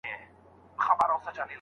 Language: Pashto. موږ ډېر اتڼ وړاندي نه کوو.